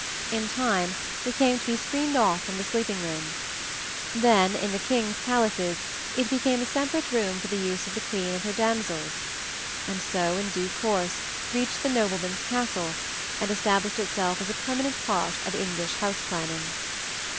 In time it came to be screened off from the sleeping room; then, in the king's palaces, it became a separate room for the use of the queen and her damsels; and so, in due course, reached the nobleman's castle, and established itself as a permanent part of English house planning.